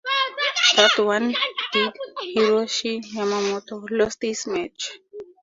The one that did, Hiroshi Yamamoto, lost his match.